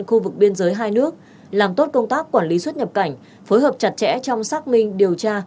khu vực biên giới hai nước làm tốt công tác quản lý xuất nhập cảnh phối hợp chặt chẽ trong xác minh điều tra